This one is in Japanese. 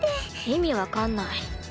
意味分かんない。